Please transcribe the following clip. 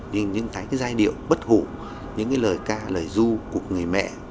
nhưng những cái giai điệu bất hủ những cái lời ca lời du của người mẹ